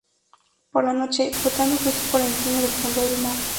Por la noche, flotando justo por encima del fondo del mar.